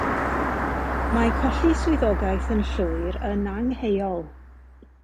Mae colli swyddogaeth yn llwyr yn angheuol